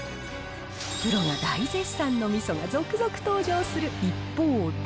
プロが大絶賛のみそが続々登場する一方で。